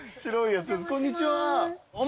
こんにちは。